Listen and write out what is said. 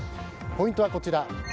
ポイントはこちら。